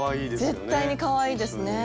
絶対にかわいいですね。